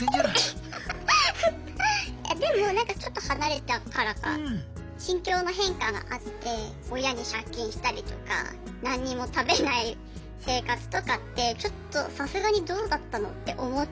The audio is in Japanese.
いやでもちょっと離れたからか心境の変化があって親に借金したりとか何にも食べない生活とかってちょっとさすがにどうだったのって思って。